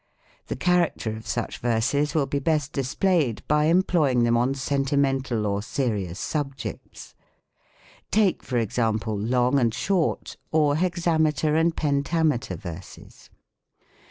The char acter of such verses will be best displayed by employ ing them on sentimental or serious subjects. Take, for example. Long and Short, or Hexameter and Pentame ter verses.